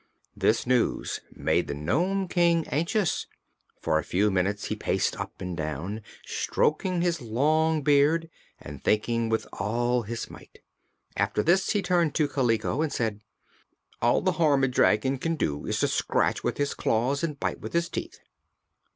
This news made the Nome King anxious. For a few minutes he paced up and down, stroking his long beard and thinking with all his might. After this he turned to Kaliko and said: "All the harm a dragon can do is to scratch with his claws and bite with his teeth."